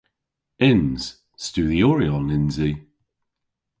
Yns. Studhyoryon yns i.